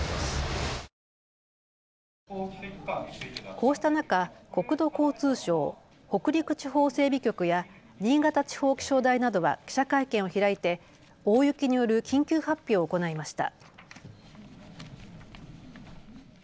こうした中、国土交通省・北陸地方整備局や新潟地方気象台などは記者会見を開いて大雪による緊急発表を行いました。